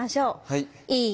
はい。